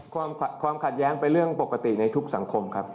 ความขัดแย้งเป็นเรื่องปกติในทุกสังคมครับ